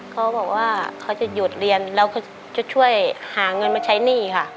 เขาบอกว่าเขาจะหยุดเรียนเราก็จะช่วยหาเงินมาใช้หนี้ค่ะ